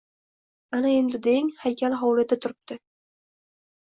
Ana endi deng, haykal hovlida turipti.